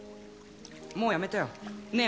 もうやめたよねえ